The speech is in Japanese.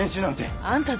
あんた誰？